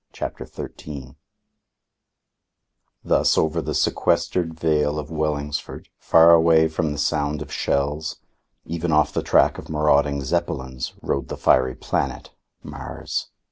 CHAPTER XIII Thus over the sequestered vale of Wellingsford, far away from the sound of shells, even off the track of marauding Zeppelins, rode the fiery planet, Mars.